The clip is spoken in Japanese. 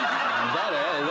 誰？